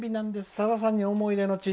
さださんに思い出の地